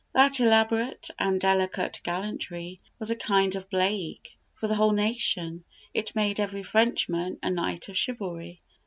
That elaborate and delicate gallantry was a kind of blague for the whole nation; it made every Frenchman a knight of chivalry.